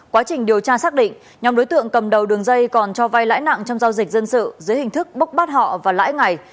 quá trình điều tra xác định nhóm đối tượng cầm đầu đường dây còn cho vai lãi nặng trong giao dịch dân sự dưới hình thức bốc bắt họ và lãi ngày